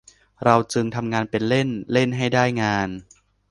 เราจึงทำงานเป็นเล่น เล่นให้ได้งาน